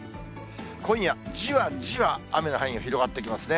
今夜、じわじわ雨の範囲が広がってきますね。